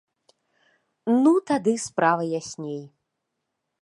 Ну, тады справа ясней.